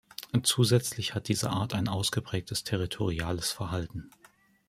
Zusätzlich hat diese Art ein ausgeprägtes territoriales Verhalten.